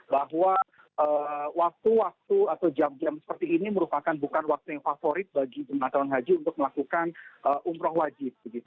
bahwa waktu waktu atau jam jam seperti ini merupakan bukan waktu yang favorit bagi jemaah calon haji untuk melakukan umroh wajib